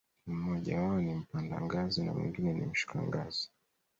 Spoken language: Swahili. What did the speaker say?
mmoja wao ni mpanda ngazi na mwingine ni mshuka ngazi.